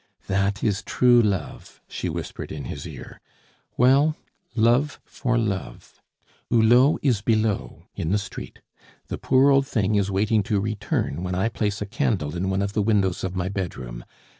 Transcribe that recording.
"That is true love," she whispered in his ear. "Well, love for love. Hulot is below, in the street. The poor old thing is waiting to return when I place a candle in one of the windows of my bedroom.